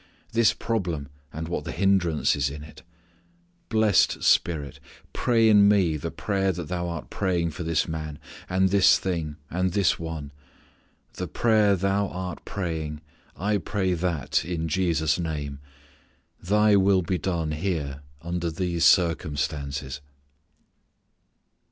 This problem, and what the hindrance is in it. Blessed Spirit, pray in me the prayer Thou art praying for this man, and this thing, and this one. The prayer Thou art praying, I pray that, in Jesus' name. Thy will be done here under these circumstances."